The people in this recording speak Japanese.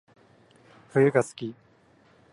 冬が好き